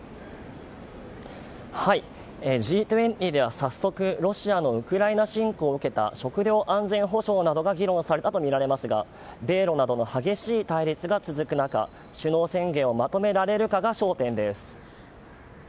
Ｇ２０では早速ロシアのウクライナ侵攻を受けた食料安全保障などが議論されたとみられますが米露などの激しい対立が続く中首脳宣言をまとめられるかが焦点です。